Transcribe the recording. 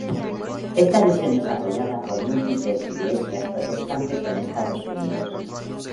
Esta visión es apoyada por múltiples iglesias protestantes en Estados Unidos.